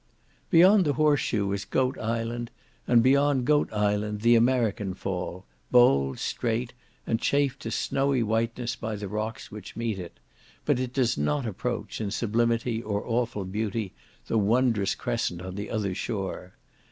Beyond the horse shoe is Goat Island, and beyond Goat Island the American fall, bold, straight, and chafed to snowy whiteness by the rocks which meet it; but it does not approach, in sublimity or awful beauty, to the wondrous crescent on the other shore.